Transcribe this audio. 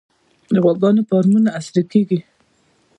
د غواګانو فارمونه عصري کیږي